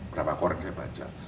berapa koran saya baca